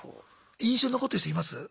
印象に残ってる人います？